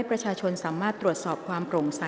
กรรมการท่านที่สามได้แก่กรรมการใหม่เลขหนึ่งค่ะ